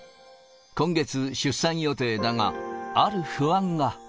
今月、出産予定だが、ある不安が。